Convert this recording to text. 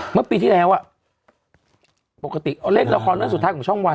เหมือนปีที่แล้วปกติเล่นละครสุดท้ายของช่องวัน